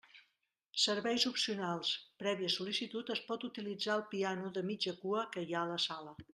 Serveis opcionals: prèvia sol·licitud, es pot utilitzar el piano de mitja cua que hi ha a la sala.